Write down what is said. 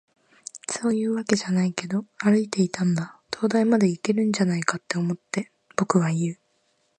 「そういうわけじゃないけど、歩いていたんだ。灯台までいけるんじゃないかって思って。」、僕は言う。